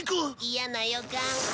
嫌な予感。